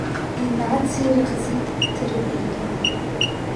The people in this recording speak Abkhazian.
Инацирӷзит Ҭырбеигьы.